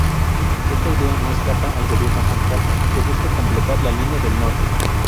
Esta idea no escapa al gobierno central, que busca completar la línea del Norte.